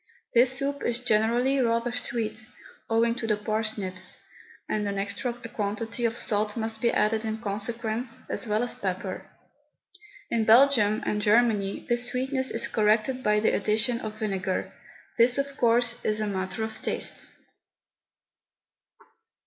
This soup is generally rather sweet, owing to the parsnips, and an extra quantity of salt must be added in consequence, as well as pepper. In Belgium and Germany this sweetness is corrected by the addition of vinegar. This, of course, is a matter of taste.